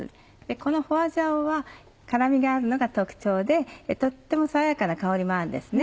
この花椒は辛みがあるのが特徴でとっても爽やかな香りもあるんですね。